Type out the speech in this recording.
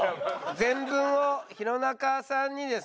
全文を弘中さんにですね